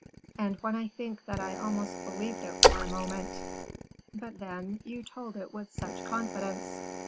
"And when I think that I almost believed it for a moment but, then, you told it with such confidence."